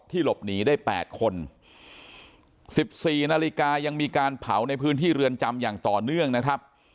หลบหนีได้๘คน๑๔นาฬิกายังมีการเผาในพื้นที่เรือนจำอย่างต่อเนื่องนะครับ